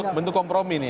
ini bentuk kompromi ini ya